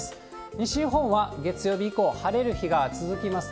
西日本は、月曜日以降、晴れる日が続きます。